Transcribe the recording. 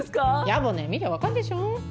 やぼね見りゃわかるでしょ。